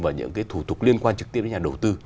và những cái thủ tục liên quan trực tiếp đến nhà đầu tư